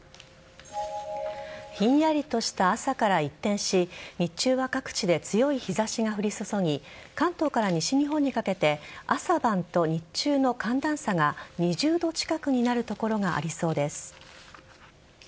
ひんやりとした朝から一転し日中は各地で強い日差しが降り注ぎ関東から西日本にかけて朝晩と日中の寒暖差が２０度近くになる所がありそうです。